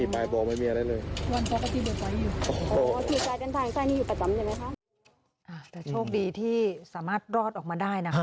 แต่โชคดีที่สามารถรอดออกมาได้นะคะ